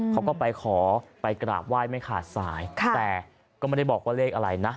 เขาก็ไปขอไปกราบไหว้ไม่ขาดสายแต่ก็ไม่ได้บอกว่าเลขอะไรนะ